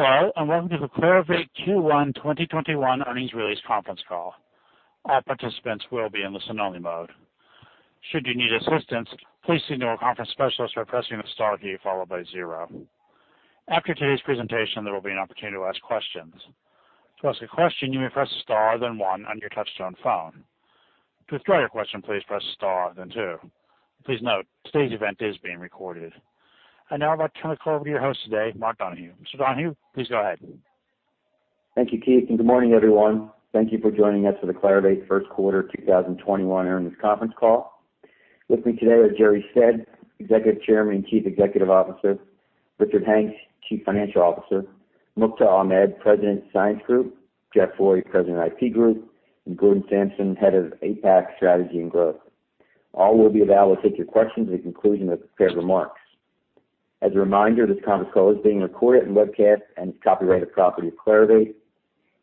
Hello, and welcome to the Clarivate Q1 2021 earnings release conference call. All participants will be in listen only mode. Should you need assistance, please signal a conference specialist by pressing the star key followed by zero. After today's presentation, there will be an opportunity to ask questions. To ask a question, you may press star, then one on your touchtone phone. To withdraw your question, please press star, then two. Please note, today's event is being recorded. I'd now like to turn the call over to your host today, Mark Donohue. Mr. Donohue, please go ahead. Thank you, Keith. Good morning, everyone. Thank you for joining us for the Clarivate first quarter 2021 earnings conference call. With me today are Jerre Stead, Executive Chairman and Chief Executive Officer, Richard Hanks, Chief Financial Officer, Mukhtar Ahmed, President, Science Group, Jeff Roy, President, IP Group, and Gordon Samson, Head of APAC Strategy and Growth. All will be available to take your questions at the conclusion of prepared remarks. As a reminder, this conference call is being recorded and webcast and is copyrighted property of Clarivate.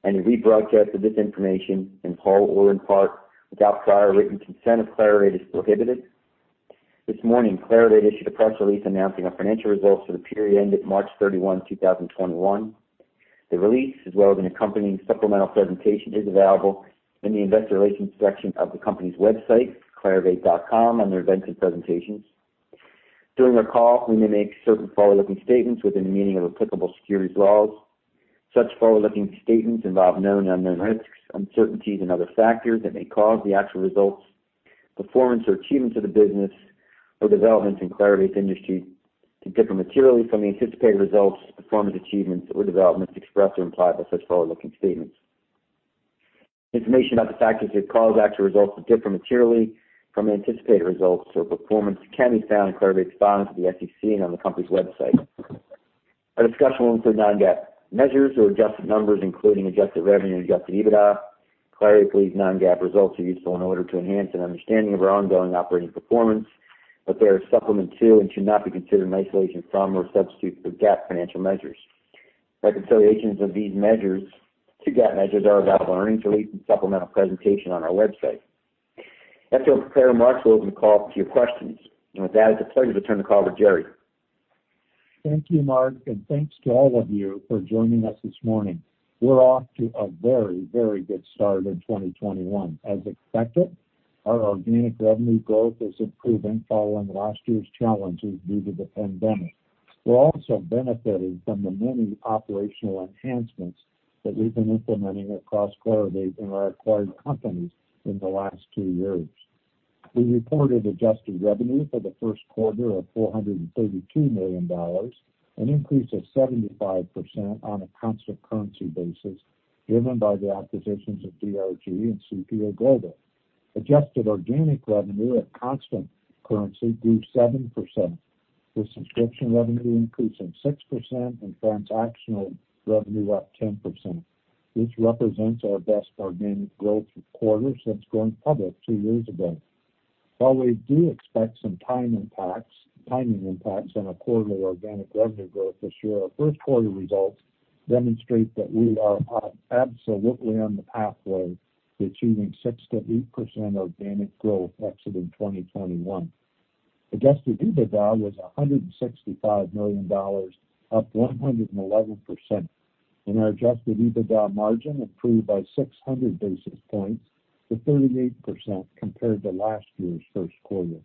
Any rebroadcast of this information in whole or in part without prior written consent of Clarivate is prohibited. This morning, Clarivate issued a press release announcing our financial results for the period ending March 31, 2021. The release, as well as an accompanying supplemental presentation, is available in the investor relations section of the company's website, clarivate.com, under events and presentations. During our call, we may make certain forward-looking statements within the meaning of applicable securities laws. Such forward-looking statements involve known and unknown risks, uncertainties, and other factors that may cause the actual results, performance, or achievements of the business or developments in Clarivate's industry to differ materially from the anticipated results, performance, or achievements or developments expressed or implied by such forward-looking statements. Information about the factors that cause actual results to differ materially from anticipated results or performance can be found in Clarivate's filings to the SEC and on the company's website. Our discussion will include non-GAAP measures or adjusted numbers, including adjusted revenue and adjusted EBITDA. Clarivate believes non-GAAP results are useful in order to enhance an understanding of our ongoing operating performance, but they are a supplement to and should not be considered in isolation from or as a substitute for GAAP financial measures. Reconciliations of these measures to GAAP measures are available in earnings release and supplemental presentation on our website. After prepared remarks, we'll open the call up to your questions. With that, it's a pleasure to turn the call over to Jerre Stead. Thank you, Mark, and thanks to all of you for joining us this morning. We're off to a very good start in 2021. As expected, our organic revenue growth is improving following last year's challenges due to the pandemic. We're also benefiting from the many operational enhancements that we've been implementing across Clarivate and our acquired companies in the last two years. We reported adjusted revenue for the first quarter of $432 million, an increase of 75% on a constant currency basis, driven by the acquisitions of DRG and CPA Global. Adjusted organic revenue at constant currency grew 7%, with subscription revenue increasing 6% and transactional revenue up 10%. This represents our best organic growth quarter since going public two years ago. While we do expect some timing impacts on our quarterly organic revenue growth this year, our first quarter results demonstrate that we are absolutely on the pathway to achieving 6%-8% organic growth exiting 2021. Adjusted EBITDA was $165 million, up 111%. Our adjusted EBITDA margin improved by 600 basis points to 38% compared to last year's first quarter.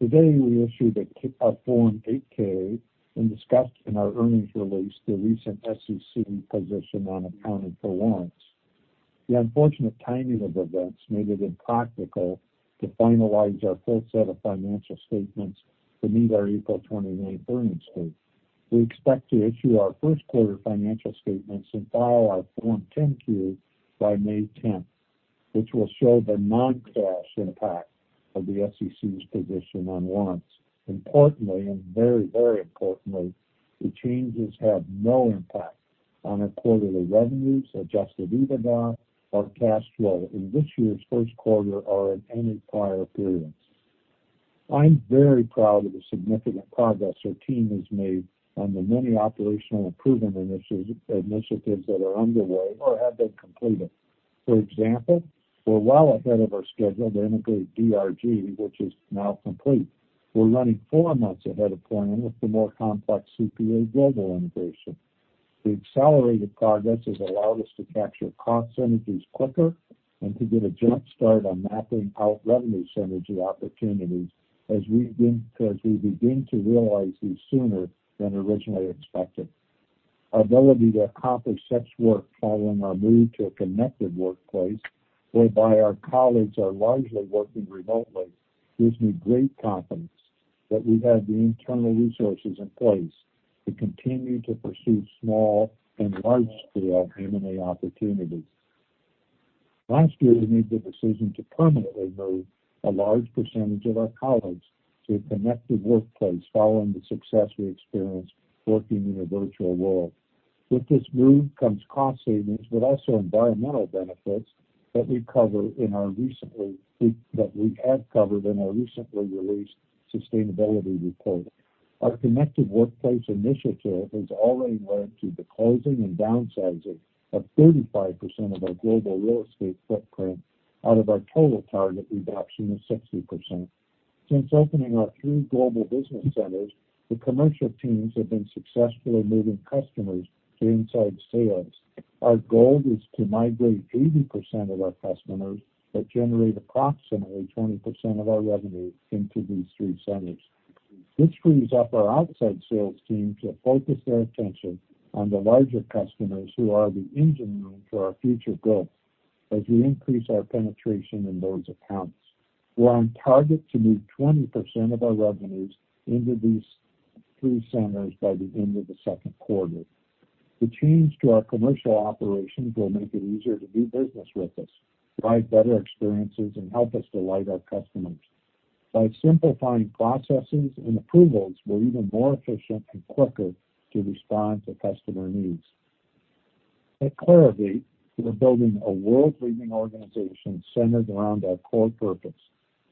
Today, we issued our Form 8-K and discussed in our earnings release the recent SEC position on accounting for warrants. The unfortunate timing of events made it impractical to finalize our full set of financial statements to meet our April 29 earnings date. We expect to issue our first quarter financial statements and file our Form 10-Q by May 10th, which will show the non-cash impact of the SEC's position on warrants. Importantly, and very importantly, the changes have no impact on our quarterly revenues, adjusted EBITDA, or cash flow in this year's first quarter or in any prior periods. I'm very proud of the significant progress our team has made on the many operational improvement initiatives that are underway or have been completed. For example, we're well ahead of our schedule to integrate DRG, which is now complete. We're running four months ahead of plan with the more complex CPA Global integration. The accelerated progress has allowed us to capture cost synergies quicker and to get a jump start on mapping out revenue synergy opportunities as we begin to realize these sooner than originally expected. Our ability to accomplish such work following our move to a connected workplace, whereby our colleagues are largely working remotely, gives me great confidence that we have the internal resources in place to continue to pursue small and large-scale M&A opportunities. Last year, we made the decision to permanently move a large percentage of our colleagues to a connected workplace following the success we experienced working in a virtual world. With this move comes cost savings, but also environmental benefits that we had covered in our recently released sustainability report. Our connected workplace initiative has already led to the closing and downsizing of 35% of our global real estate footprint out of our total target reduction of 60%. Since opening our three global business centers, the commercial teams have been successfully moving customers to inside sales. Our goal is to migrate 80% of our customers that generate approximately 20% of our revenue into these three centers. This frees up our outside sales team to focus their attention on the larger customers who are the engine room for our future growth as we increase our penetration in those accounts. We're on target to move 20% of our revenues into these three centers by the end of the second quarter. The change to our commercial operations will make it easier to do business with us, provide better experiences, and help us delight our customers. By simplifying processes and approvals, we're even more efficient and quicker to respond to customer needs. At Clarivate, we are building a world-leading organization centered around our core purpose.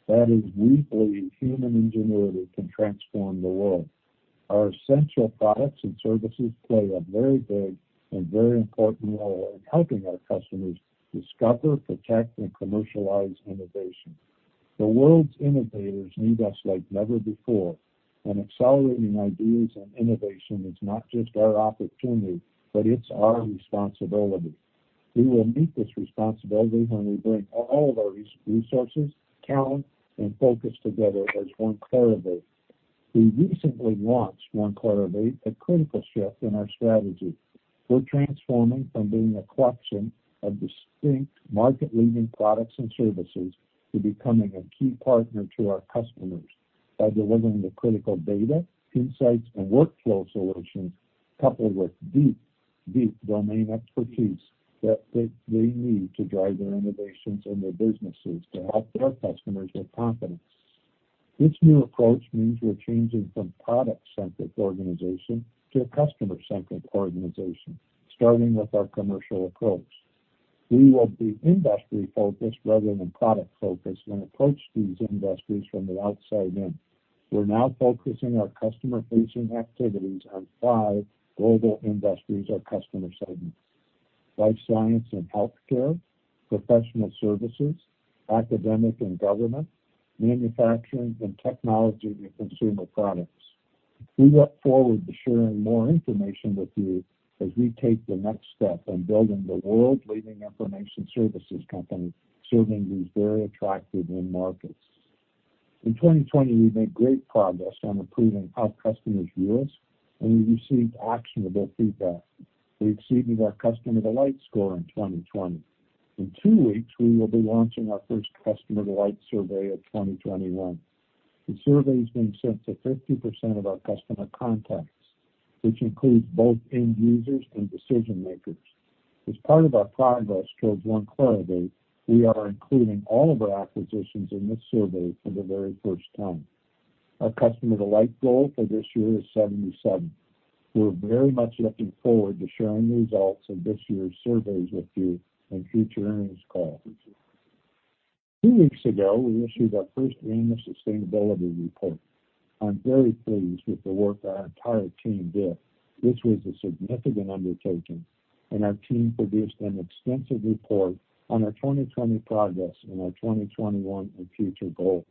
That is, we believe human ingenuity can transform the world. Our essential products and services play a very big and very important role in helping our customers discover, protect, and commercialize innovation. The world's innovators need us like never before. Accelerating ideas and innovation is not just our opportunity, but it's our responsibility. We will meet this responsibility when we bring all of our resources, talent, and focus together as One Clarivate. We recently launched One Clarivate, a critical shift in our strategy. We're transforming from being a collection of distinct market-leading products and services to becoming a key partner to our customers by delivering the critical data, insights, and workflow solutions coupled with deep domain expertise that they need to drive their innovations and their businesses to help their customers with confidence. This new approach means we're changing from product-centric organization to a customer-centric organization, starting with our commercial approach. We will be industry-focused rather than product-focused and approach these industries from the outside in. We're now focusing our customer-facing activities on five global industries or customer segments. Life science and healthcare, professional services, academic and government, manufacturing, and technology and consumer products. We look forward to sharing more information with you as we take the next step in building the world-leading information services company serving these very attractive end markets. In 2020, we've made great progress on improving how customers view us, and we received actionable feedback. We exceeded our Customer Delight Score in 2020. In two weeks, we will be launching our first Customer Delight Survey of 2021. The survey is being sent to 50% of our customer contacts, which includes both end users and decision-makers. As part of our progress towards One Clarivate, we are including all of our acquisitions in this survey for the very first time. Our Customer Delight Goal for this year is 77. We're very much looking forward to sharing the results of this year's surveys with you in future earnings calls. Two weeks ago, we issued our first annual sustainability report. I'm very pleased with the work our entire team did. This was a significant undertaking, and our team produced an extensive report on our 2020 progress and our 2021 and future goals.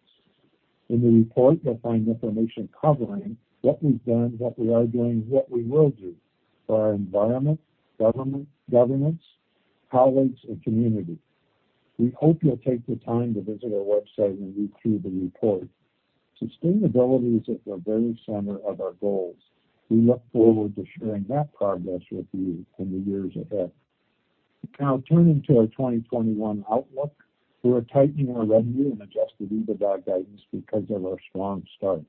In the report, you'll find information covering what we've done, what we are doing, what we will do for our environment, governance, colleagues, and community. We hope you'll take the time to visit our website and read through the report. Sustainability is at the very center of our goals. We look forward to sharing that progress with you in the years ahead. Now turning to our 2021 outlook. We're tightening our revenue and adjusted EBITDA guidance because of our strong start.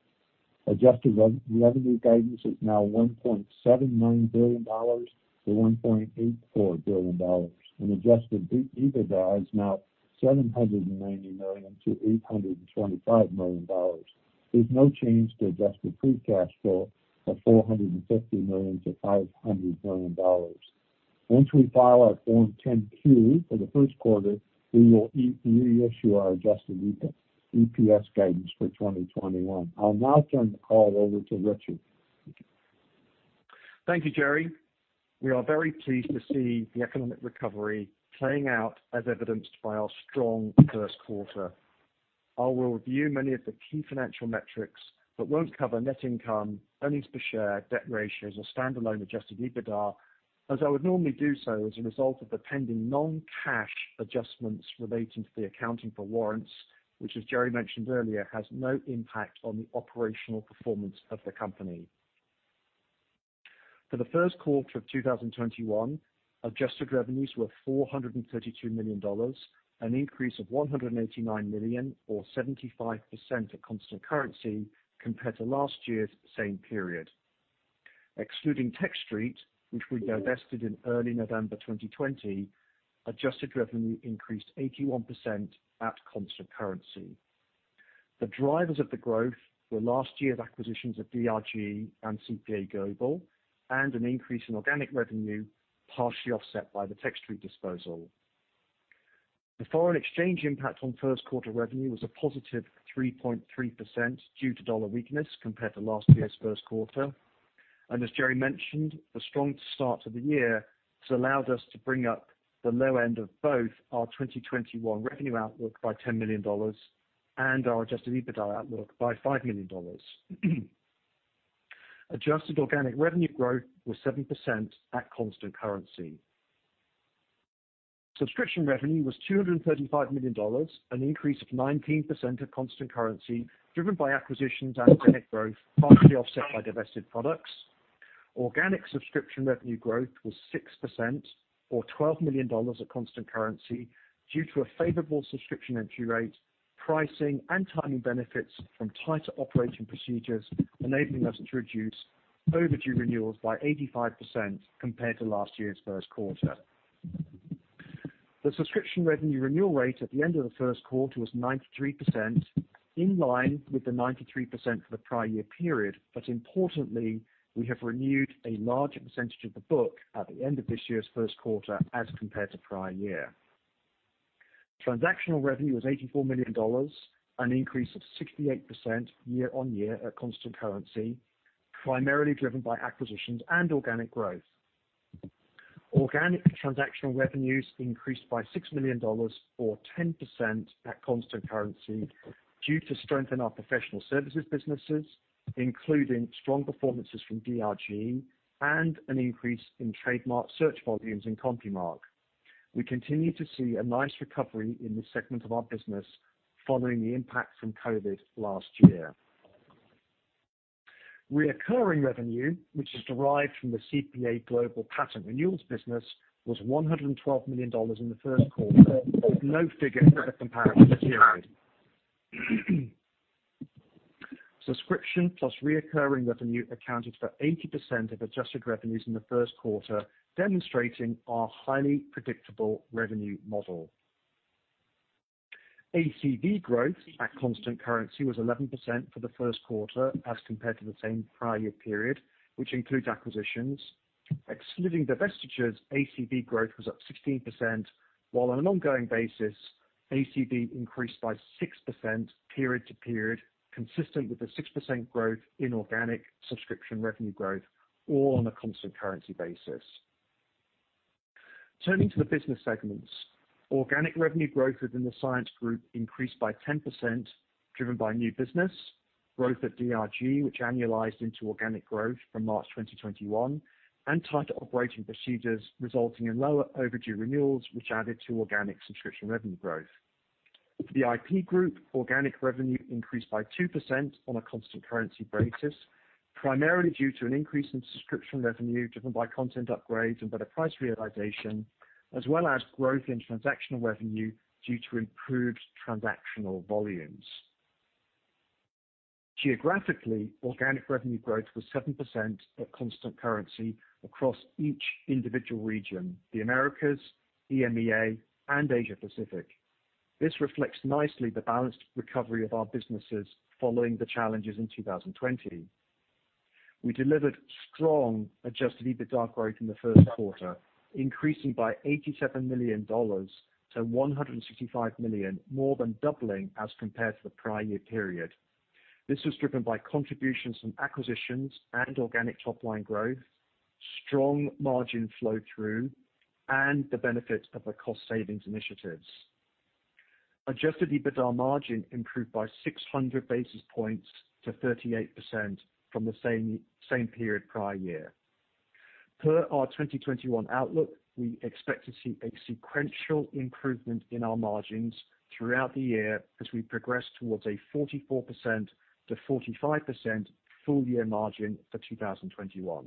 Adjusted revenue guidance is now $1.79 billion-$1.84 billion, and adjusted EBITDA is now $790 million-$825 million. There's no change to adjusted free cash flow of $450 million-$500 million. Once we file our Form 10-Q for the first quarter, we will reissue our adjusted EPS guidance for 2021. I'll now turn the call over to Richard. Thank you, Jerre. We are very pleased to see the economic recovery playing out as evidenced by our strong first quarter. Won't cover net income, earnings per share, debt ratios, or standalone adjusted EBITDA as I would normally do so as a result of the pending non-cash adjustments relating to the accounting for warrants, which as Jerre mentioned earlier, has no impact on the operational performance of the company. For the first quarter of 2021, adjusted revenues were $432 million, an increase of $189 million or 75% at constant currency compared to last year's same period. Excluding Techstreet, which we divested in early November 2020, adjusted revenue increased 81% at constant currency. The drivers of the growth were last year's acquisitions of DRG and CPA Global, and an increase in organic revenue, partially offset by the Techstreet disposal. The foreign exchange impact on first quarter revenue was a positive 3.3% due to dollar weakness compared to last year's first quarter. As Jerre mentioned, the strong start to the year has allowed us to bring up the low end of both our 2021 revenue outlook by $10 million and our adjusted EBITDA outlook by $5 million. Adjusted organic revenue growth was 7% at constant currency. Subscription revenue was $235 million, an increase of 19% at constant currency, driven by acquisitions and organic growth, partially offset by divested products. Organic subscription revenue growth was 6% or $12 million at constant currency due to a favorable subscription entry rate, pricing, and timing benefits from tighter operating procedures, enabling us to reduce overdue renewals by 85% compared to last year's first quarter. The subscription revenue renewal rate at the end of the first quarter was 93%, in line with the 93% for the prior year period. Importantly, we have renewed a larger percentage of the book at the end of this year's first quarter as compared to prior year. Transactional revenue was $84 million, an increase of 68% year-on-year at constant currency, primarily driven by acquisitions and organic growth. Organic transactional revenues increased by $6 million or 10% at constant currency due to strength in our professional services businesses, including strong performances from DRG and an increase in trademark search volumes in CompuMark. We continue to see a nice recovery in this segment of our business following the impact from COVID last year. Recurring revenue, which is derived from the CPA Global patent renewals business, was $112 million in the first quarter, with no figure for the comparative period. Subscription plus recurring revenue accounted for 80% of adjusted revenues in the first quarter, demonstrating our highly predictable revenue model. ACV growth at constant currency was 11% for the first quarter as compared to the same prior year period, which includes acquisitions. Excluding divestitures, ACV growth was up 16%, while on an ongoing basis, ACV increased by 6% period to period, consistent with the 6% growth in organic subscription revenue growth, all on a constant currency basis. Turning to the business segments. Organic revenue growth within the Science Group increased by 10%, driven by new business, growth at DRG, which annualized into organic growth from March 2021, and tighter operating procedures resulting in lower overdue renewals, which added to organic subscription revenue growth. For the IP Group, organic revenue increased by 2% on a constant currency basis, primarily due to an increase in subscription revenue driven by content upgrades and better price realization, as well as growth in transactional revenue due to improved transactional volumes. Geographically, organic revenue growth was 7% at constant currency across each individual region, the Americas, EMEA, and Asia-Pacific. This reflects nicely the balanced recovery of our businesses following the challenges in 2020. We delivered strong adjusted EBITDA growth in the first quarter, increasing by $87 million to $165 million, more than doubling as compared to the prior year period. This was driven by contributions from acquisitions and organic top-line growth, strong margin flow-through, and the benefits of the cost savings initiatives. Adjusted EBITDA margin improved by 600 basis points to 38% from the same period prior year. Per our 2021 outlook, we expect to see a sequential improvement in our margins throughout the year as we progress towards a 44%-45% full year margin for 2021.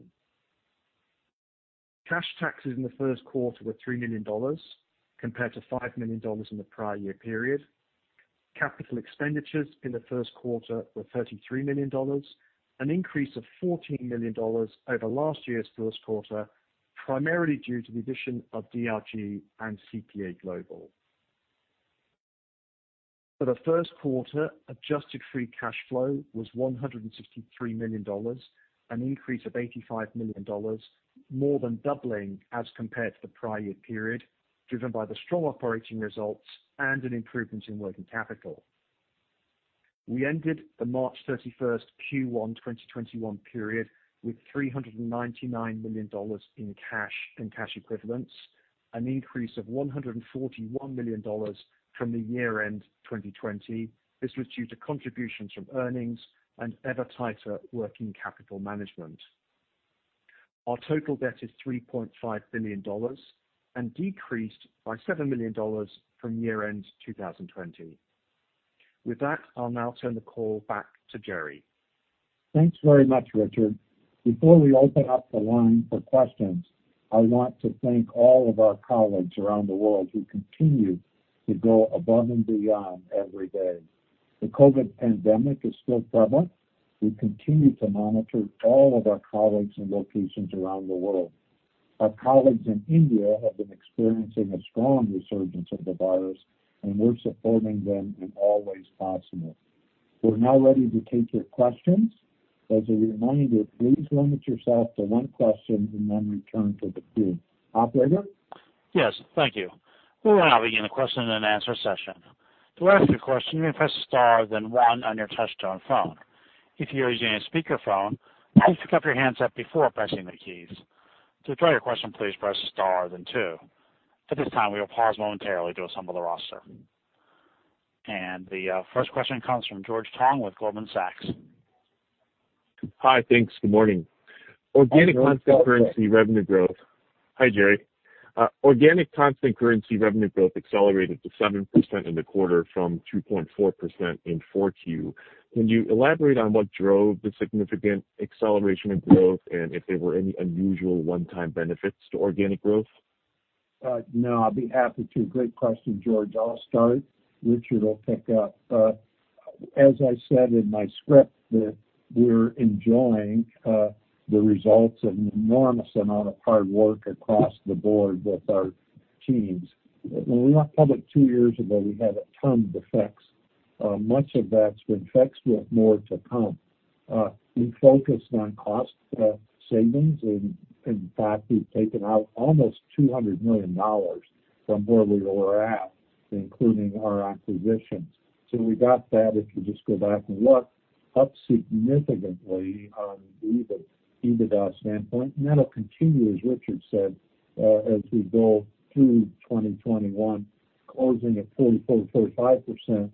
Cash taxes in the first quarter were $3 million compared to $5 million in the prior year period. Capital expenditures in the first quarter were $33 million, an increase of $14 million over last year's first quarter, primarily due to the addition of DRG and CPA Global. For the first quarter, adjusted free cash flow was $163 million, an increase of $85 million, more than doubling as compared to the prior year period, driven by the strong operating results and an improvement in working capital. We ended the March 31st Q1 2021 period with $399 million in cash and cash equivalents, an increase of $141 million from the year-end 2020. This was due to contributions from earnings and ever tighter working capital management. Our total debt is $3.5 billion and decreased by $7 million from year-end 2020. With that, I'll now turn the call back to Jerre. Thanks very much, Richard. Before we open up the line for questions, I want to thank all of our colleagues around the world who continue to go above and beyond every day. The COVID pandemic is still prevalent. We continue to monitor all of our colleagues and locations around the world. Our colleagues in India have been experiencing a strong resurgence of the virus, and we're supporting them in all ways possible. We're now ready to take your questions. As a reminder, please limit yourself to one question and then return to the queue. Operator? Yes. Thank you. We will now begin the question and answer session. To ask a question, you may press star, then one on your touch-tone phone. If you're using a speakerphone, please pick up your handset before pressing the keys. To withdraw your question, please press star then two. At this time, we will pause momentarily to assemble the roster. The first question comes from George Tong with Goldman Sachs. Hi. Thanks. Good morning. Hi, George. Hi, Jerre. Organic constant currency revenue growth accelerated to 7% in the quarter from 2.4% in four Q. Can you elaborate on what drove the significant acceleration in growth, and if there were any unusual one-time benefits to organic growth? No, I'll be happy to. Great question, George. I'll start, Richard will pick up. As I said in my script, that we're enjoying the results of an enormous amount of hard work across the board with our teams. When we went public two years ago, we had a ton of defects. Much of that's been fixed, with more to come. In fact, we've taken out almost $200 million from where we were at, including our acquisitions. We got that, if you just go back and look, up significantly on the EBITDA standpoint. That'll continue, as Richard said, as we go through 2021, closing at 44%-45%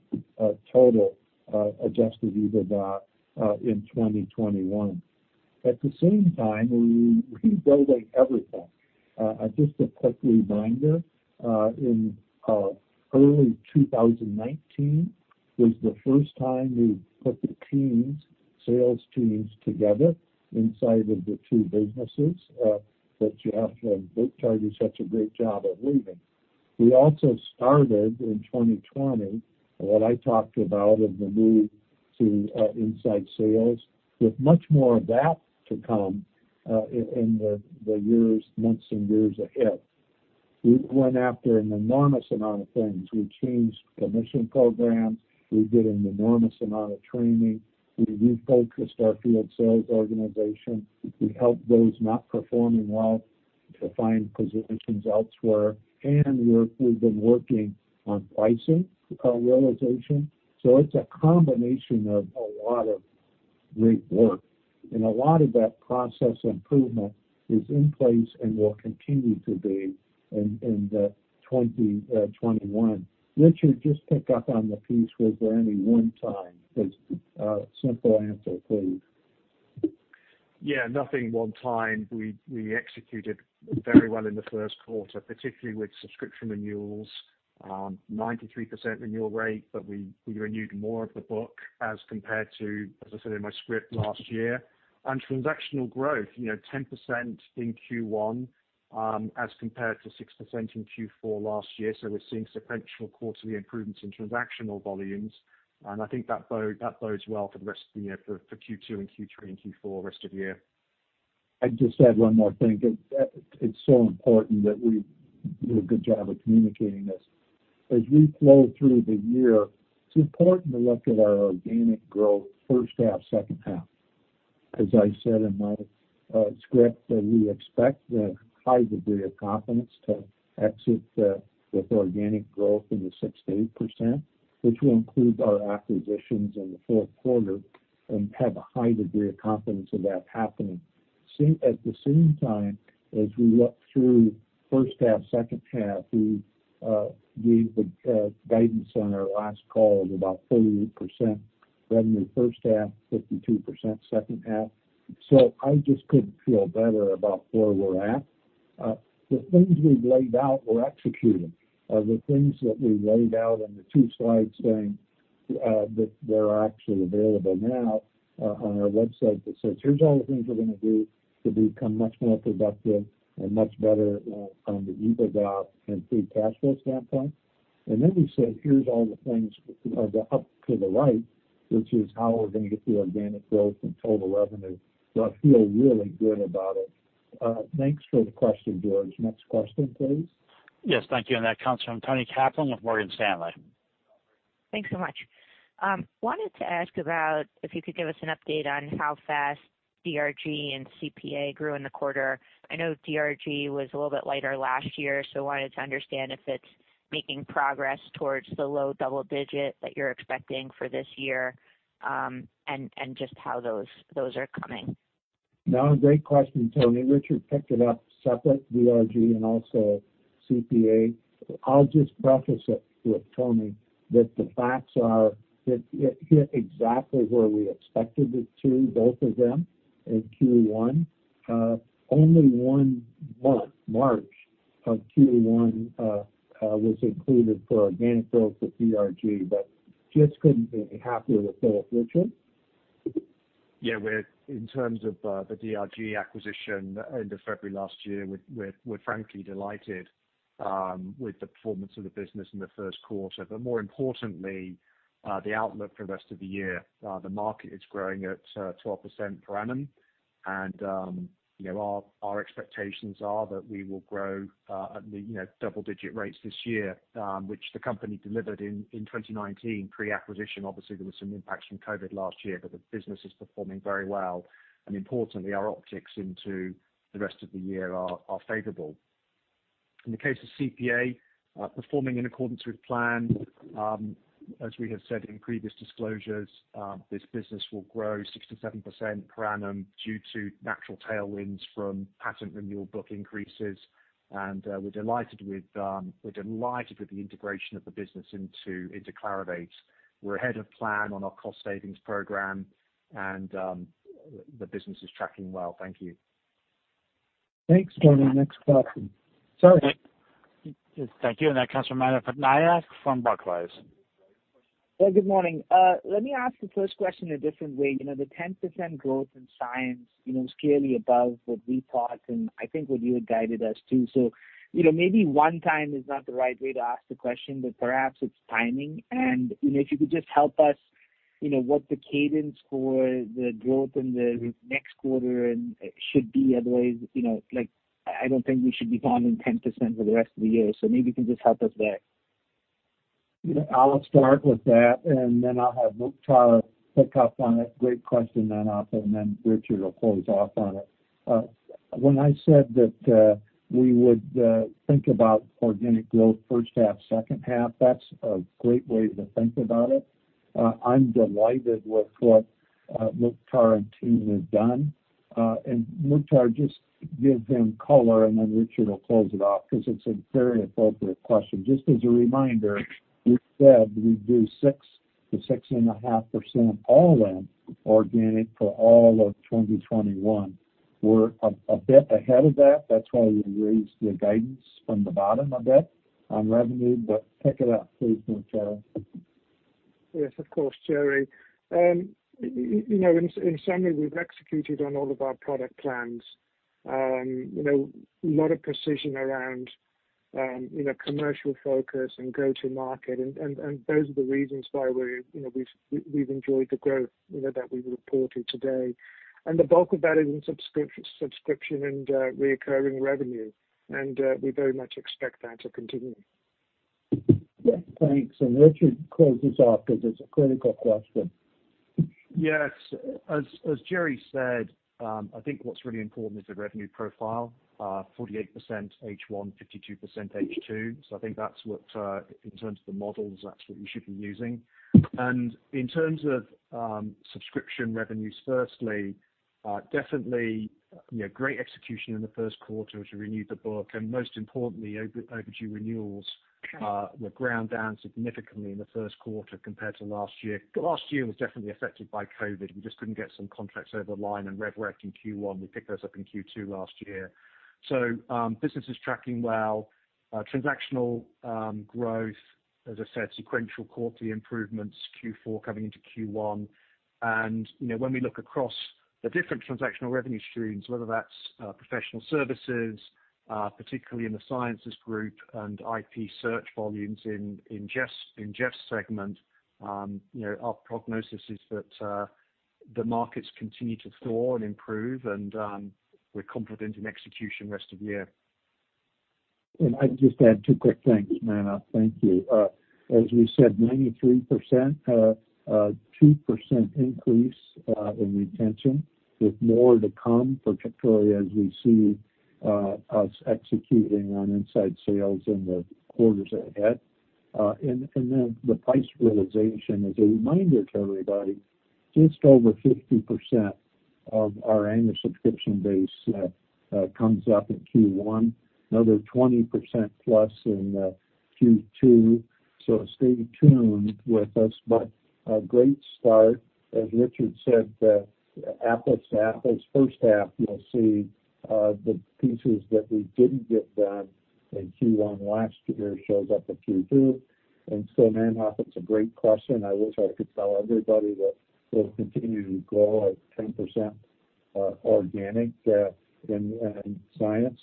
total adjusted EBITDA in 2021. At the same time, we reevaluate everything. Just a quick reminder, in early 2019 was the first time we put the sales teams together inside of the two businesses that Jeff and Vic did such a great job of leading. We also started in 2020, what I talked about in the move to inside sales, with much more of that to come in the months and years ahead. We went after an enormous amount of things. We changed commission programs. We did an enormous amount of training. We refocused our field sales organization. We helped those not performing well to find positions elsewhere. We've been working on pricing realization. It's a combination of a lot of great work. A lot of that process improvement is in place and will continue to be in 2021. Richard, just pick up on the piece, was there any one time? Just a simple answer, please. Yeah, nothing one time. We executed very well in the first quarter, particularly with subscription renewals, 93% renewal rate, but we renewed more of the book as compared to, as I said in my script, last year. Transactional growth 10% in Q1, as compared to 6% in Q4 last year. We're seeing sequential quarterly improvements in transactional volumes, and I think that bodes well for Q2 and Q3 and Q4, rest of the year. I'd just add one more thing. It's so important that we do a good job of communicating this. As we flow through the year, it's important to look at our organic growth first half, second half. As I said in my script, that we expect with a high degree of confidence to exit with organic growth in the 6%-8%, which will include our acquisitions in the fourth quarter, and have a high degree of confidence of that happening. At the same time, as we look through first half, second half, we gave the guidance on our last call of about 48% revenue first half, 52% second half. I just couldn't feel better about where we're at. The things we've laid out, we're executing. The things that we laid out on the two slides saying that they're actually available now on our website that says, "Here's all the things we're going to do to become much more productive and much better from the EBITDA and free cash flow standpoint." Then we said, "Here's all the things," up to the right, "which is how we're going to get to the organic growth and total revenue." I feel really good about it. Thanks for the question, George. Next question, please. Yes. Thank you. That comes from Toni Kaplan with Morgan Stanley. Thanks so much. Wanted to ask about if you could give us an update on how fast DRG and CPA grew in the quarter. I know DRG was a little bit lighter last year, so wanted to understand if it's making progress towards the low double-digit that you're expecting for this year, and just how those are coming. No, great question, Toni. Richard picked it up separate, DRG and also CPA. I'll just preface it with Toni, that the facts are that hit exactly where we expected it to, both of them in Q1. Only one month, March of Q1, was included for organic growth for DRG, but just couldn't be happier with both. Richard? Yeah. In terms of the DRG acquisition end of February last year, we're frankly delighted with the performance of the business in the first quarter, more importantly, the outlook for the rest of the year. The market is growing at 12% per annum, and our expectations are that we will grow at double-digit rates this year, which the company delivered in 2019 pre-acquisition. Obviously, there was some impacts from COVID last year, but the business is performing very well. Importantly, our optics into the rest of the year are favorable. In the case of CPA, performing in accordance with plan, as we have said in previous disclosures, this business will grow 6% to 7% per annum due to natural tailwinds from patent renewal book increases. We're delighted with the integration of the business into Clarivate. We're ahead of plan on our cost savings program, and the business is tracking well. Thank you. Thanks, Toni. Next question. Sorry. Thank you, that comes from Manav Patnaik from Barclays. Well, good morning. Let me ask the first question a different way. The 10% growth in Science is clearly above what we thought, and I think what you had guided us to. Maybe one time is not the right way to ask the question, but perhaps it's timing and if you could just help us, what the cadence for the growth in the next quarter should be. Otherwise, I don't think we should be planning 10% for the rest of the year, so maybe you can just help us there. I'll start with that, and then I'll have Mukhtar pick up on it. Great question, Manav, and then Richard will close off on it. When I said that we would think about organic growth first half, second half, that's a great way to think about it. I'm delighted with what Mukhtar and team have done. Mukhtar, just give them color, and then Richard will close it off because it's a very appropriate question. Just as a reminder, we said we'd do 6%-6.5% all-in organic for all of 2021. We're a bit ahead of that. That's why we raised the guidance from the bottom a bit on revenue. Pick it up, please, Mukhtar. Yes, of course, Jerre. In summary, we've executed on all of our product plans. A lot of precision around commercial focus and go-to market, and those are the reasons why we've enjoyed the growth that we reported today. The bulk of that is in subscription and recurring revenue, and we very much expect that to continue. Yeah, thanks. Richard, close this off because it's a critical question. Yes. As Jerry said, I think what's really important is the revenue profile, 48% H1, 52% H2. I think that in terms of the models, that's what you should be using. In terms of subscription revenues, firstly, definitely great execution in the first quarter to renew the book, and most importantly, overdue renewals were ground down significantly in the first quarter compared to last year. Last year was definitely affected by COVID. We just couldn't get some contracts over the line and revenue recognition in Q1. We picked those up in Q2 last year. Business is tracking well. Transactional growth, as I said, sequential quarterly improvements, Q4 coming into Q1. When we look across the different transactional revenue streams, whether that's professional services, particularly in the Science Group and IP search volumes in Jeff's segment, our prognosis is that the markets continue to thaw and improve, and we're confident in execution rest of the year. I'd just add two quick things, Manav. Thank you. As we said, 93%, 2% increase in retention with more to come for Victoria as we see us executing on inside sales in the quarters ahead. Then the price realization. As a reminder to everybody, just over 50% of our annual subscription base comes up in Q1, another 20% plus in Q2, stay tuned with us. A great start. As Richard said, apples to apples first half, you'll see the pieces that we didn't get done in Q1 last year shows up at Q2. Manav, it's a great question. I wish I could tell everybody that we'll continue to grow at 10% organic in Science,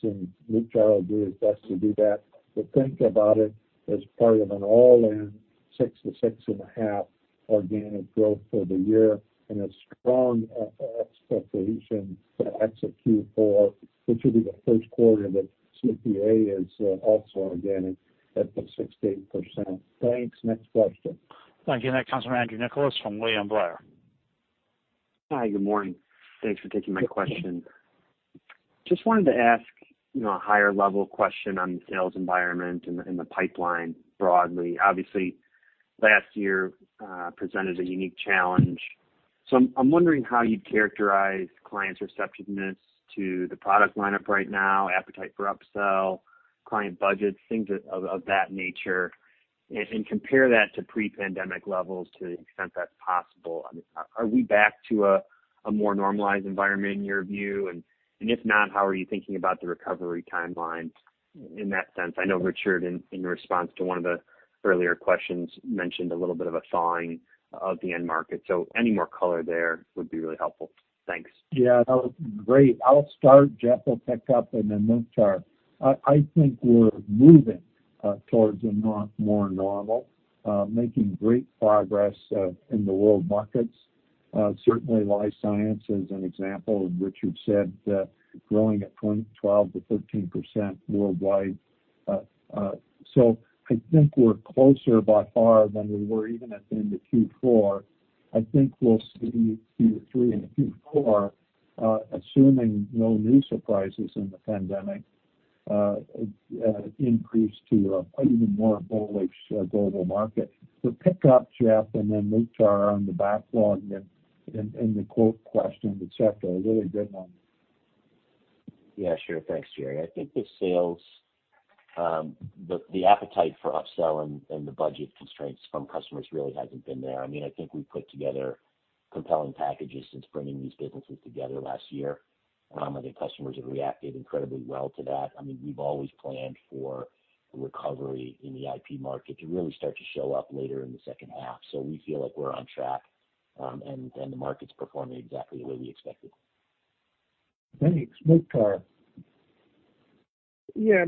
Mukhtar will do his best to do that. Think about it as part of an all-in 6%-6.5% organic growth for the year and a strong expectation to exit Q4, which will be the first quarter that CPA is also organic at the 6%-8%. Thanks. Next question. Thank you. Next comes from Andrew Nicholas from William Blair. Hi, good morning. Thanks for taking my question. Just wanted to ask a higher level question on the sales environment and the pipeline broadly. Obviously, last year presented a unique challenge. I'm wondering how you'd characterize clients' receptiveness to the product lineup right now, appetite for upsell, client budgets, things of that nature, and compare that to pre-pandemic levels to the extent that's possible. Are we back to a more normalized environment in your view? If not, how are you thinking about the recovery timelines in that sense? I know Richard, in response to one of the earlier questions, mentioned a little bit of a thawing of the end market. Any more color there would be really helpful. Thanks. Yeah, great. I'll start, Jeff will pick up, and then Mukhtar. I think we're moving towards a more normal, making great progress in the world markets. Certainly, life science is an example, as Richard said, growing at 12%-13% worldwide. I think we're closer by far than we were even at the end of Q4. I think we'll see Q3 and Q4, assuming no new surprises in the pandemic, increase to an even more bullish global market. Pick up, Jeff, and then Mukhtar on the backlog and the quote question, et cetera. Really good one. Yeah, sure. Thanks, Jerre. I think the sales, the appetite for upsell and the budget constraints from customers really hasn't been there. I think we've put together compelling packages since bringing these businesses together last year. I think customers have reacted incredibly well to that. We've always planned for a recovery in the IP market to really start to show up later in the second half. We feel like we're on track, and the market's performing exactly the way we expected. Thanks. Mukhtar. Yeah.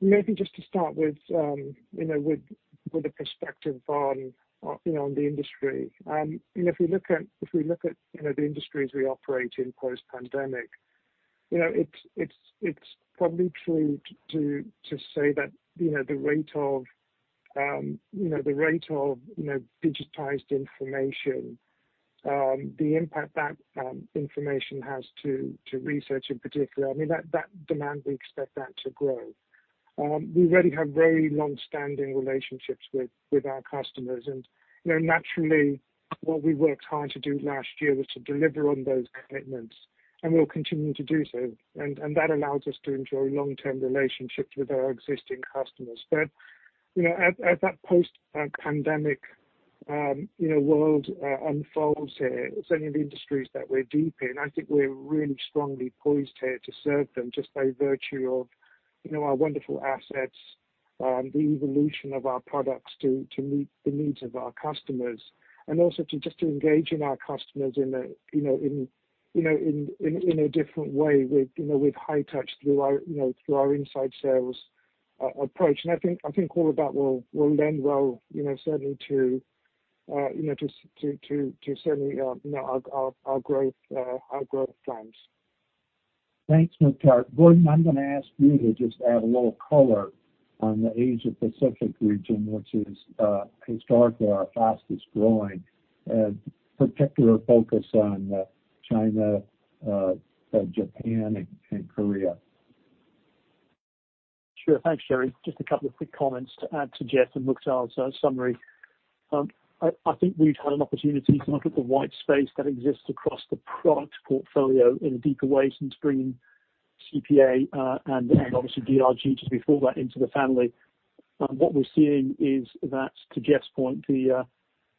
Maybe just to start with a perspective on the industry. If we look at the industries we operate in post-pandemic, it's probably true to say that the rate of digitized information, the impact that information has to research in particular, that demand, we expect that to grow. We already have very long-standing relationships with our customers. Naturally, what we worked hard to do last year was to deliver on those commitments, and we'll continue to do so. That allows us to enjoy long-term relationships with our existing customers. As that post-pandemic world unfolds here, certainly the industries that we're deep in, I think we're really strongly poised here to serve them just by virtue of our wonderful assets, the evolution of our products to meet the needs of our customers. Also just to engage our customers in a different way with high touch through our inside sales approach. I think all of that will lend well certainly to certainly our growth plans. Thanks, Mukhtar. Gordon, I'm going to ask you to just add a little color on the Asia Pacific region, which is historically our fastest growing, and particular focus on China, Japan, and Korea. Sure. Thanks, Jerre. Just a couple of quick comments to add to Jeff and Mukhtar's summary. I think we've had an opportunity to look at the white space that exists across the product portfolio in a deeper way since bringing CPA and obviously DRG, just before that, into the family. What we're seeing is that, to Jeff's point, the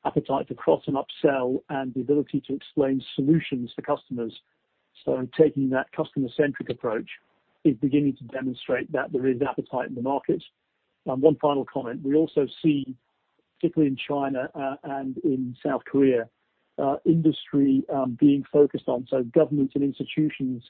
appetite to cross and upsell and the ability to explain solutions to customers, taking that customer-centric approach is beginning to demonstrate that there is appetite in the market. One final comment, we also see, particularly in China and in South Korea, industry being focused on, so governments and institutions,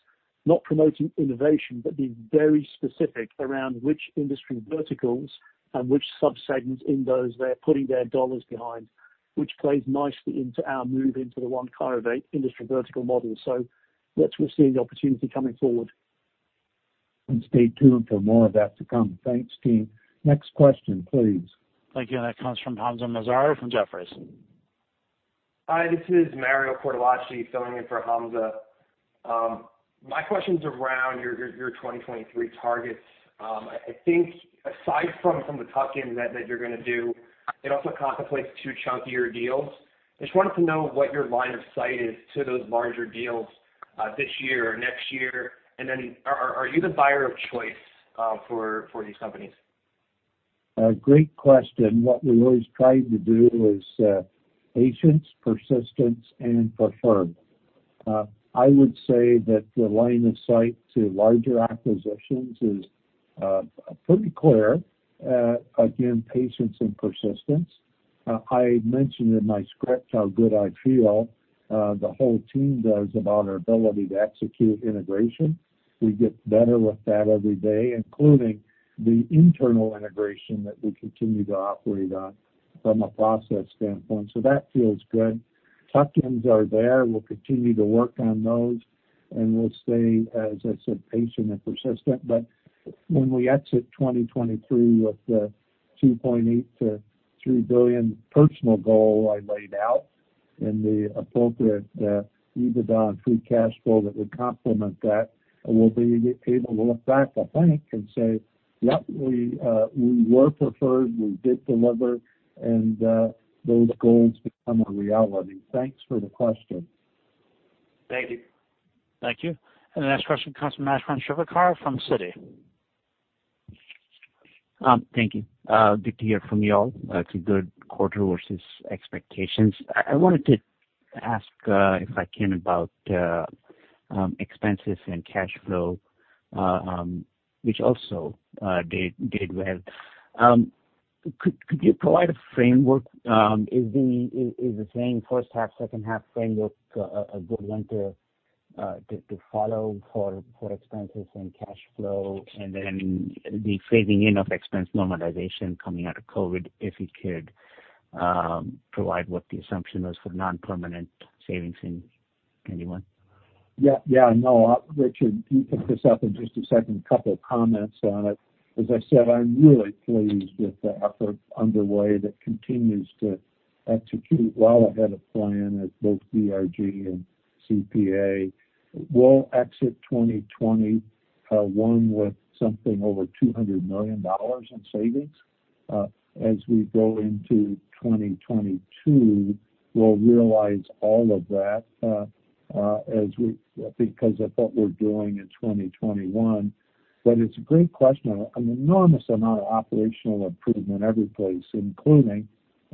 not promoting innovation, but being very specific around which industry verticals and which subsegments in those they're putting their dollars behind, which plays nicely into our move into the One Clarivate industry vertical model. That's where we're seeing the opportunity coming forward. Stay tuned for more of that to come. Thanks, team. Next question, please. Thank you. That comes from Hamzah Mazari from Jefferies. Hi, this is Mario Cortellacci filling in for Hamza. My question's around your 2023 targets. I think aside from the tuck-ins that you're going to do, it also contemplates two chunkier deals. I just wanted to know what your line of sight is to those larger deals this year or next year, and then are you the buyer of choice for these companies? A great question. What we always try to do is patience, persistence, and preferred. I would say that the line of sight to larger acquisitions is pretty clear. Again, patience and persistence. I mentioned in my script how good I feel, the whole team does, about our ability to execute integration. We get better with that every day, including the internal integration that we continue to operate on from a process standpoint. That feels good. Tuck-ins are there. We'll continue to work on those, and we'll stay, as I said, patient and persistent. When we exit 2023 with the $2.8 billion-$3 billion personal goal I laid out and the appropriate EBITDA and free cash flow that would complement that, we'll be able to look back, I think, and say, "Yep, we were preferred, we did deliver," and those goals become a reality. Thanks for the question. Thank you. Thank you. The next question comes from Ashwin Shirvaikar from Citi. Thank you. Good to hear from you all. It's a good quarter versus expectations. I wanted to ask, if I can, about expenses and cash flow, which also did well. Could you provide a framework? Is the same first half, second half framework a good one to follow for expenses and cash flow? Then the phasing in of expense normalization coming out of COVID, if you could provide what the assumption was for non-permanent savings in any one. Yeah, I know. Richard, you pick this up in just a second. Couple of comments on it. As I said, I'm really pleased with the effort underway that continues to execute well ahead of plan at both DRG and CPA. We'll exit 2021 with something over $200 million in savings. As we go into 2022, we'll realize all of that because of what we're doing in 2021. It's a great question. An enormous amount of operational improvement every place, including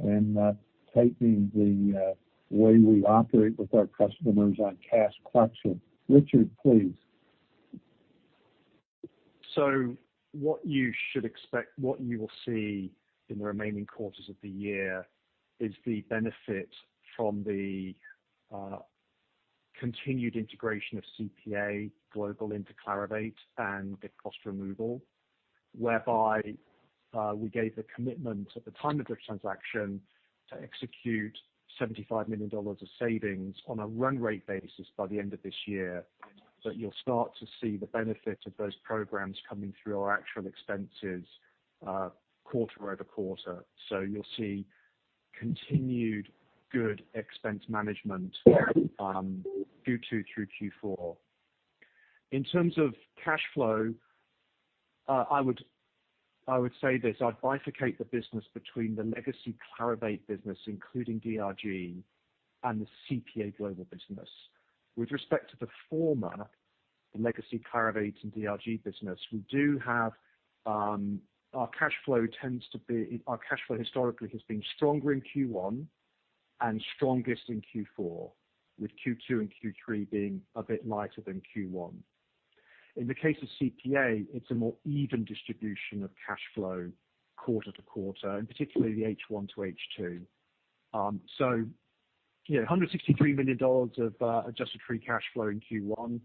in tightening the way we operate with our customers on cash collection. Richard, please. What you should expect, what you will see in the remaining quarters of the year is the benefit from the continued integration of CPA Global into Clarivate and the cost removal, whereby we gave the commitment at the time of the transaction to execute $75 million of savings on a run rate basis by the end of this year. You'll start to see the benefit of those programs coming through our actual expenses quarter over quarter. You'll see continued good expense management Q2 through Q4. In terms of cash flow, I would say this. I'd bifurcate the business between the legacy Clarivate business, including DRG, and the CPA Global business. With respect to the former, the legacy Clarivate and DRG business, our cash flow historically has been stronger in Q1 and strongest in Q4, with Q2 and Q3 being a bit lighter than Q1. In the case of CPA, it's a more even distribution of cash flow quarter to quarter, and particularly the H1 to H2. $163 million of adjusted free cash flow in Q1,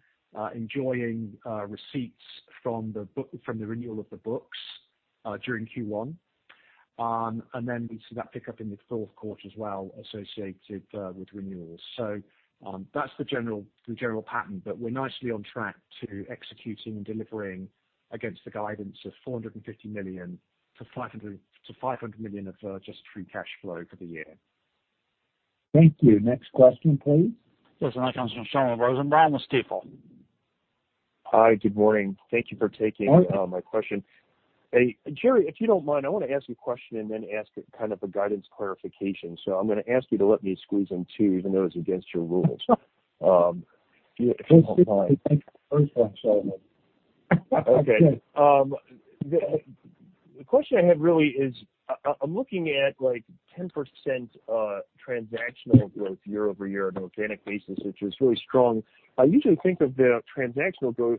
enjoying receipts from the renewal of the books during Q1. We see that pick up in the fourth quarter as well associated with renewals. That's the general pattern. We're nicely on track to executing and delivering against the guidance of $450 million-$500 million of adjusted free cash flow for the year. Thank you. Next question, please. Yes, that comes from Shlomo Rosenbaum on the Stifel. Hi, good morning. Thank you for taking my question. Morning. Hey, Jerre, if you don't mind, I want to ask you a question and then ask kind of a guidance clarification. I'm going to ask you to let me squeeze in two, even though it's against your rules. Go ahead. Take the first one, Shlomo. Okay. The question I have really is, I'm looking at 10% transactional growth year-over-year on an organic basis, which is really strong. I usually think of the transactional growth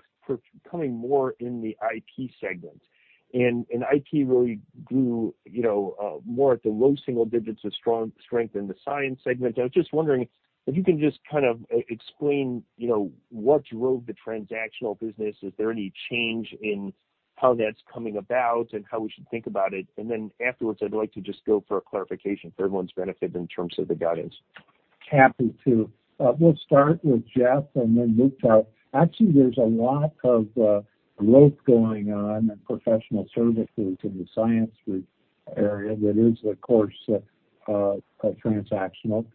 coming more in the IP segment. IP really grew more at the low single digits of strength in the Science segment. I was just wondering if you can just kind of explain what drove the transactional business. Is there any change in how that's coming about and how we should think about it? Afterwards, I'd like to just go for a clarification for everyone's benefit in terms of the guidance. Happy to. We'll start with Jeff and then Mukhtar. Actually, there's a lot of growth going on in professional services in the Science Group area that is, of course, transactional.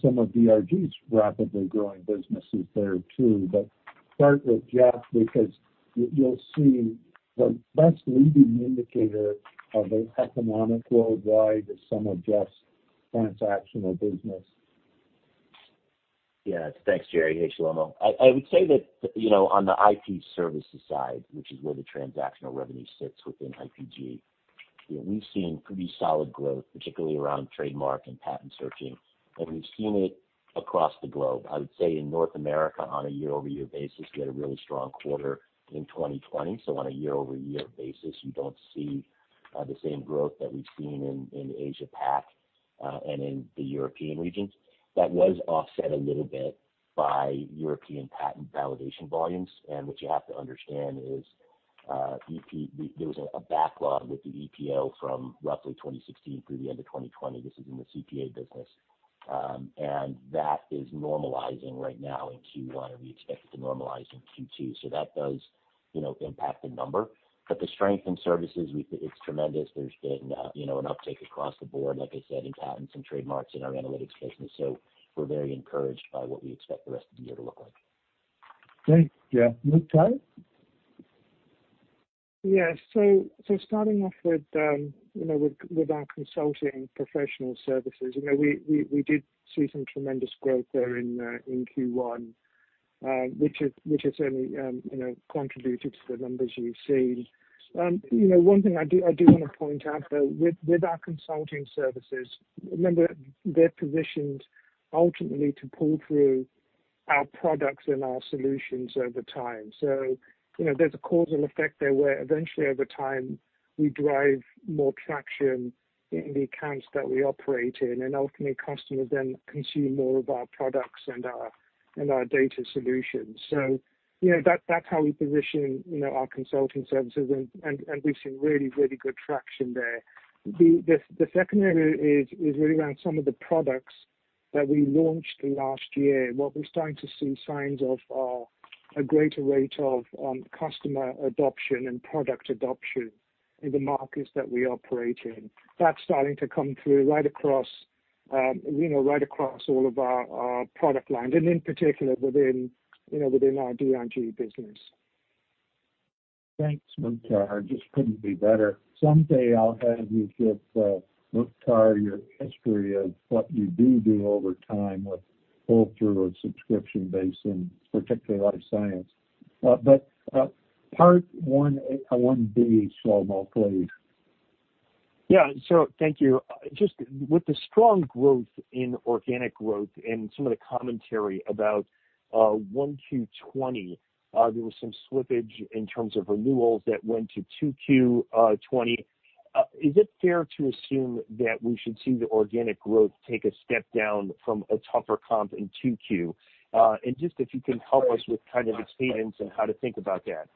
Some of DRG's rapidly growing businesses there, too. Start with Jeff, because you'll see the best leading indicator of an economic worldwide is some of Jeff's transactional business. Thanks, Jerre. Hey, Shlomo. I would say that on the IP services side, which is where the transactional revenue sits within IPG, we've seen pretty solid growth, particularly around trademark and patent searching, and we've seen it across the globe. I would say in North America on a year-over-year basis, we had a really strong quarter in 2020. On a year-over-year basis, you don't see the same growth that we've seen in APAC and in the European regions. That was offset a little bit by European patent validation volumes. What you have to understand is there was a backlog with the EPO from roughly 2016 through the end of 2020. This is in the CPA business. That is normalizing right now in Q1, and we expect it to normalize in Q2. That does impact the number. The strength in services, it's tremendous. There's been an uptake across the board, like I said, in patents and trademarks in our analytics business. We're very encouraged by what we expect the rest of the year to look like. Thanks, Jeff. Mukhtar Ahmed? Yeah. Starting off with our consulting professional services, we did see some tremendous growth there in Q1 which has certainly contributed to the numbers you've seen. One thing I do want to point out, though, with our consulting services, remember, they're positioned ultimately to pull through our products and our solutions over time. There's a causal effect there where eventually over time, we drive more traction in the accounts that we operate in, and ultimately customers then consume more of our products and our data solutions. That's how we position our consulting services, and we've seen really good traction there. The second area is really around some of the products That we launched last year, what we're starting to see signs of are a greater rate of customer adoption and product adoption in the markets that we operate in. That's starting to come through right across all of our product line and in particular within our DRG business. Thanks, Mukhtar. Just couldn't be better. Someday I'll have you give Mukhtar your history of what you do do over time with pull-through of subscription base in particularly life science. Part 1B, Shlomo, please. Yeah. Thank you. Just with the strong growth in organic growth and some of the commentary about 1Q20, there was some slippage in terms of renewals that went to 2Q20. Is it fair to assume that we should see the organic growth take a step down from a tougher comp in 2Q? Just if you can help us with kind of a cadence on how to think about that.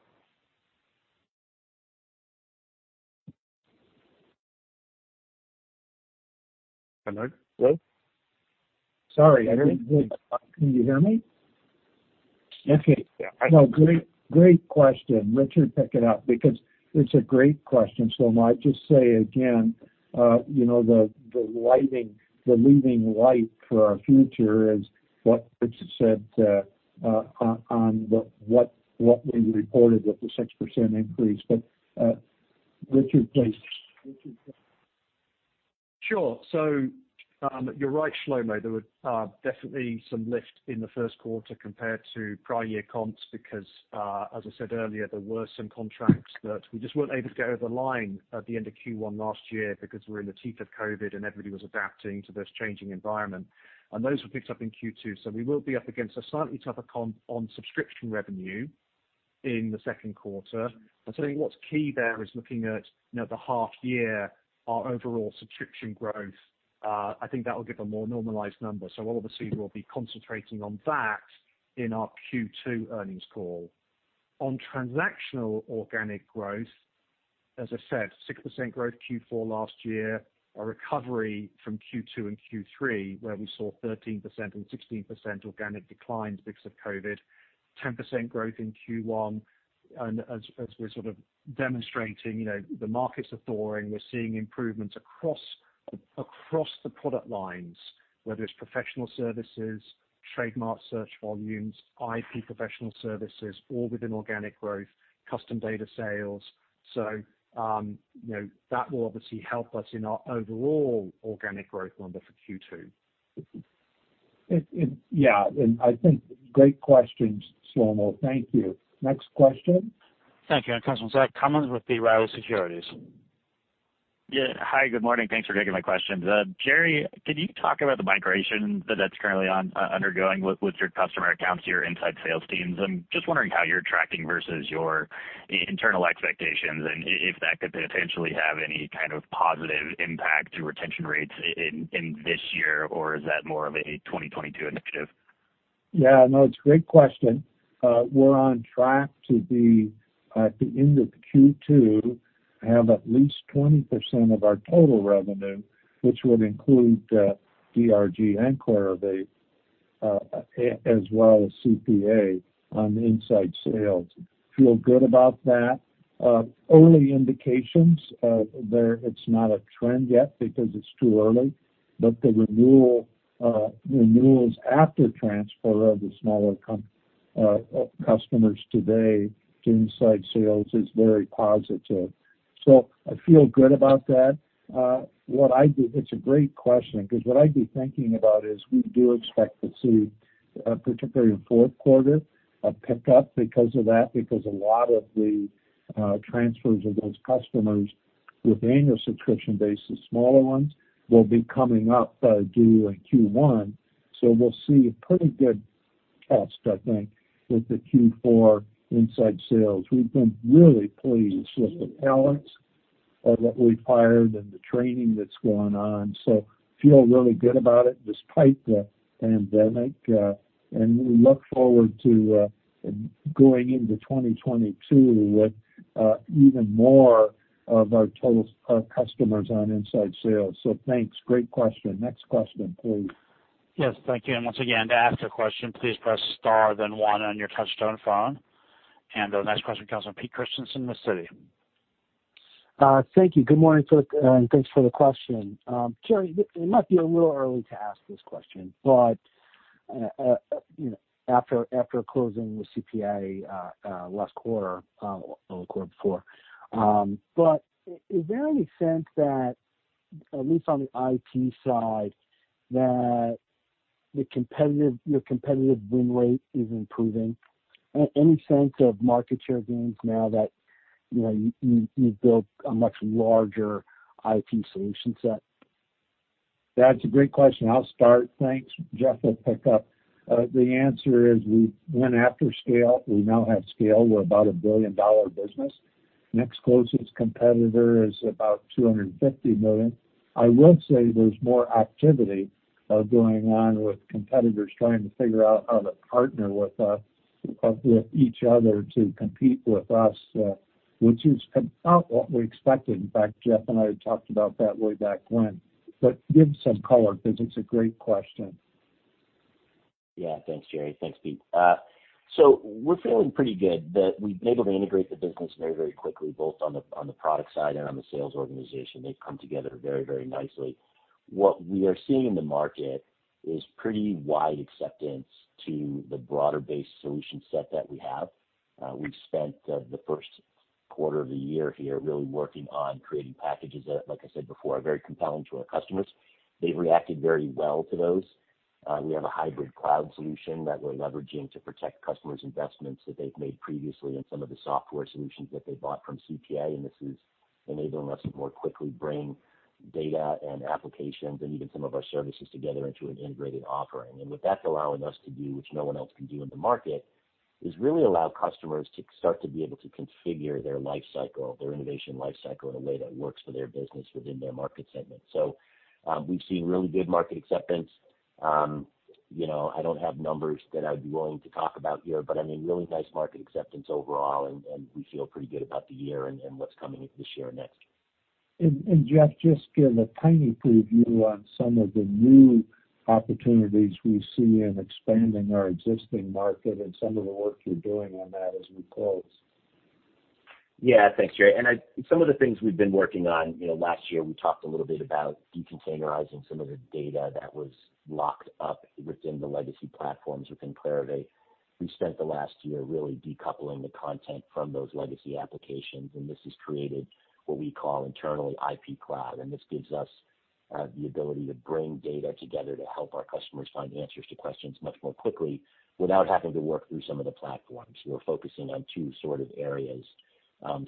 Hello? Sorry. Can you hear me? Okay. Great question. Richard, pick it up because it's a great question, Shlomo. I'd just say again, the leading light for our future is what Richard said on what we reported with the 6% increase. Richard, please. Sure. You're right, Shlomo. There were definitely some lift in the first quarter compared to prior year comps because, as I said earlier, there were some contracts that we just weren't able to get over the line at the end of Q1 last year because we were in the teeth of COVID and everybody was adapting to this changing environment, and those were picked up in Q2. We will be up against a slightly tougher comp on subscription revenue in the second quarter. I'd say what's key there is looking at the half year, our overall subscription growth. I think that will give a more normalized number. Obviously we'll be concentrating on that in our Q2 earnings call. On transactional organic growth, as I said, 6% growth Q4 last year, a recovery from Q2 and Q3, where we saw 13% and 16% organic declines because of COVID, 10% growth in Q1. As we're sort of demonstrating, the markets are thawing. We're seeing improvements across the product lines, whether it's professional services, trademark search volumes, IP professional services, all within organic growth, custom data sales. That will obviously help us in our overall organic growth number for Q2. Yeah. I think great questions, Shlomo. Thank you. Next question. Thank you. Customers, Zach Cummins with B. Riley Securities. Yeah. Hi, good morning. Thanks for taking my questions. Jerre, could you talk about the migration that's currently undergoing with your customer accounts to your inside sales teams? I'm just wondering how you're tracking versus your internal expectations and if that could potentially have any kind of positive impact to retention rates in this year, or is that more of a 2022 initiative? Yeah, no, it's a great question. We're on track to be, at the end of Q2, have at least 20% of our total revenue, which would include DRG and Clarivate, as well as CPA on inside sales. Feel good about that. Early indications, it's not a trend yet because it's too early, but the renewals after transfer of the smaller customers today to inside sales is very positive. I feel good about that. It's a great question because what I'd be thinking about is we do expect to see, particularly in fourth quarter, a pickup because of that, because a lot of the transfers of those customers with annual subscription bases, smaller ones, will be coming up due in Q1. We'll see a pretty good pop, I think, with the Q4 inside sales. We've been really pleased with the talents of what we've hired and the training that's gone on. Feel really good about it despite the pandemic. We look forward to going into 2022 with even more of our total customers on inside sales. Thanks. Great question. Next question, please. Yes, thank you. Once again, to ask a question, please press star then one on your touchtone phone. Our next question comes from Pete Christiansen, with Citi. Thank you. Good morning, folks, and thanks for the question. Jerre, it might be a little early to ask this question, but after closing with CPA last quarter, or the quarter before, but is there any sense that at least on the IP side, that your competitive win rate is improving? Any sense of market share gains now that you've built a much larger IP solution set? That's a great question. I'll start. Thanks. Jeff will pick up. The answer is we went after scale. We now have scale. We're about a billion-dollar business. Next closest competitor is about $250 million. I will say there's more activity going on with competitors trying to figure out how to partner with us or with each other to compete with us, which is about what we expected. In fact, Jeff and I had talked about that way back when. Give some color because it's a great question. Yeah. Thanks, Jerre. Thanks, Pete. We're feeling pretty good that we've been able to integrate the business very quickly, both on the product side and on the sales organization. They've come together very nicely. What we are seeing in the market is pretty wide acceptance to the broader base solution set that we have. We've spent the first quarter of the year here really working on creating packages that, like I said before, are very compelling to our customers. They've reacted very well to those. We have a hybrid cloud solution that we're leveraging to protect customers' investments that they've made previously in some of the software solutions that they bought from CPA, and this is enabling us to more quickly bring data and applications and even some of our services together into an integrated offering. What that's allowing us to do, which no one else can do in the market, is really allow customers to start to be able to configure their innovation life cycle in a way that works for their business within their market segment. We've seen really good market acceptance. I don't have numbers that I'd be willing to talk about here, but really nice market acceptance overall, and we feel pretty good about the year and what's coming this year and next. Jeff, just give a tiny preview on some of the new opportunities we see in expanding our existing market and some of the work you're doing on that as we close. Thanks, Jerre. Some of the things we've been working on, last year, we talked a little bit about decontainerizing some of the data that was locked up within the legacy platforms within Clarivate. We spent the last year really decoupling the content from those legacy applications, this has created what we call internally IP Cloud, this gives us the ability to bring data together to help our customers find answers to questions much more quickly without having to work through some of the platforms. We're focusing on two sort of areas.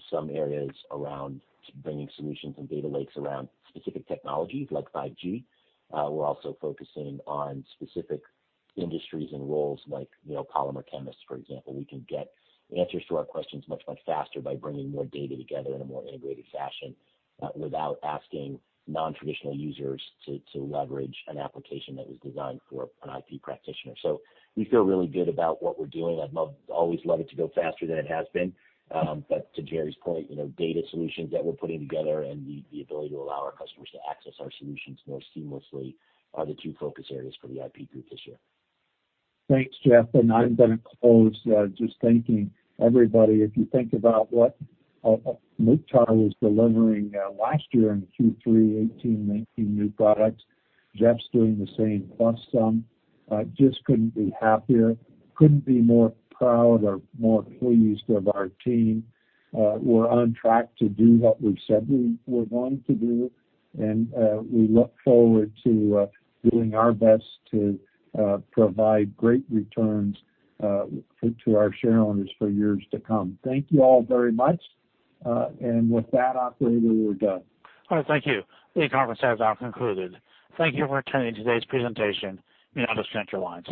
Some areas around bringing solutions and data lakes around specific technologies like 5G. We're also focusing on specific industries and roles like polymer chemists, for example. We can get answers to our questions much faster by bringing more data together in a more integrated fashion, without asking non-traditional users to leverage an application that was designed for an IP practitioner. We feel really good about what we're doing. I'd always love it to go faster than it has been. To Jerre's point, data solutions that we're putting together and the ability to allow our customers to access our solutions more seamlessly are the two focus areas for the IP Group this year. Thanks, Jeff. I'm going to close, just thanking everybody. If you think about what Mukhtar was delivering last year in Q3 2018, 2019, new products. Jeff's doing the same plus some. Just couldn't be happier, couldn't be more proud or more pleased of our team. We're on track to do what we said we were going to do, and we look forward to doing our best to provide great returns to our shareholders for years to come. Thank you all very much. With that, Operator, we're done. All right. Thank you. The conference has now concluded. Thank you for attending today's presentation. You may now disconnect your lines.